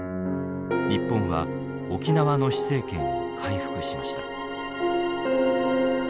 日本は沖縄の施政権を回復しました。